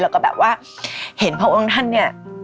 แล้วก็แบบว่าเห็นพระองค์ท่านเนี่ย